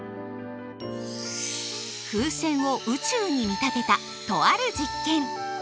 風船を宇宙に見立てたとある実験！